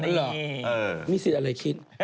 นี่เหรอมีสิทธิ์อะไรคิด